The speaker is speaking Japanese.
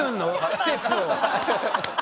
季節を。